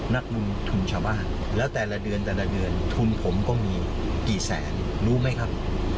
นักลงทุนชาวบ้านแล้วแต่ละเดือนแต่ละเดือนทุนผมก็มีกี่แสนรู้ไหมครับ